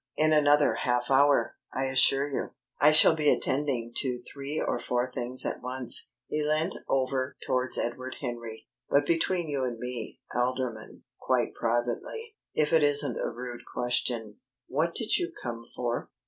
In another half hour, I assure you, I shall be attending to three or four things at once." He leant over towards Edward Henry. "But between you and me, Alderman, quite privately, if it isn't a rude question, what did you come for?"